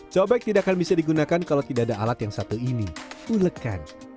cobek tidak akan bisa digunakan kalau tidak ada alat yang satu ini ulekan